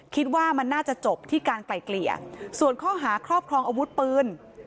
คิดว่ามันน่าจะจบที่การไกลเกลี่ยส่วนข้อหาครอบครองอาวุธปืน